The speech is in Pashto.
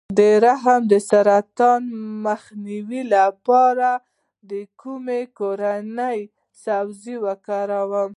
د رحم د سرطان مخنیوي لپاره د کومې کورنۍ سبزي وکاروم؟